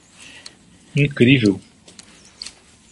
Incrível